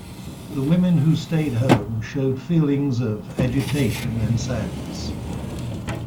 The women who stayed home showed feelings of agitation and sadness.